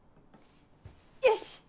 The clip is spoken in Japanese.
よし！